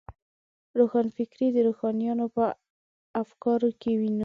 روښانفکري د روښانیانو په افکارو کې وینو.